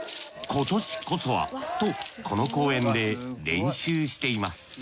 今年こそはとこの公園で練習しています